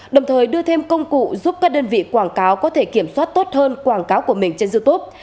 đồng thời đưa thêm công cụ giúp các đơn vị quảng cáo có thể kiểm soát tốt hơn quảng cáo của mình trên youtube